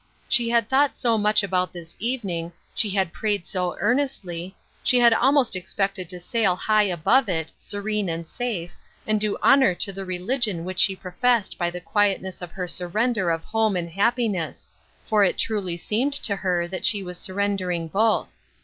She had thought so much about this evening, she had prayed so earnestly, she had almost expected to sail high above it, serene and safe, and do honor to the religion which she professed by the quiet ness of her surrender of home and happiness ; for it truly seemed to her that she was surrender ing both.